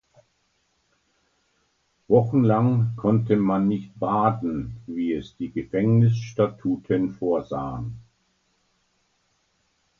Wochenlang konnte man nicht baden, wie es die Gefängnisstatuten vorsahen.